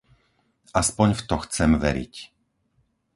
Aspoň v to chcem veriť.